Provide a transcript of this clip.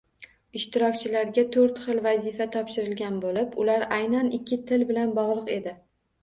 Ishtirokchilarga to‘rt xil vazifa topshirilgan boʻlib, ular aynan ikki til bilan bogʻliq edi.